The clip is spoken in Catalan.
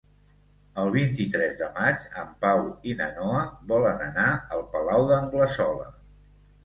El vint-i-tres de maig en Pau i na Noa volen anar al Palau d'Anglesola.